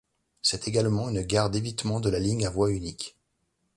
C'est également une gare d'évitement de la ligne à voie unique.